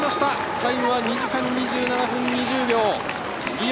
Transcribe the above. タイムは２時間２７分２０秒。